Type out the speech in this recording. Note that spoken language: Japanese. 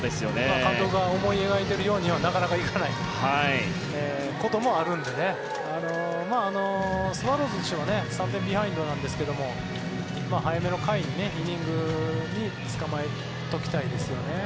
監督が思い描いているようにはなかなかいかないこともあるのでスワローズとしては３点ビハインドなんですが早めの回、イニングにつかまえておきたいですよね。